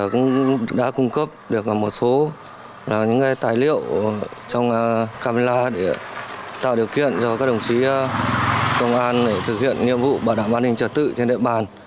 cũng đã cung cấp được một số tài liệu trong camera để tạo điều kiện cho các đồng chí công an để thực hiện nhiệm vụ bảo đảm an ninh trật tự trên địa bàn